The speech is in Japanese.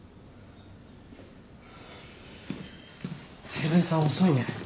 照井さん遅いね。